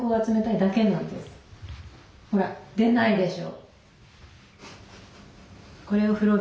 ほら出ないでしょ。